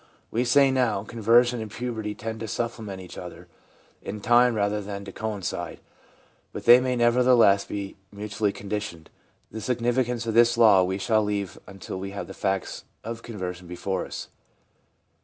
We say now, conversion and puberty tend to supplement each other in time rather than to coincide ; but they may, nevertheless, be mutually conditioned. The significance of this law we shall leave until we have the facts of conversion before us.